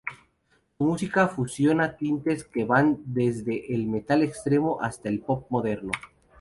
Su música fusiona tintes que van desde el metal extremo hasta pop moderno.